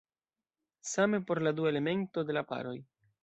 Same por la dua elemento de la paroj.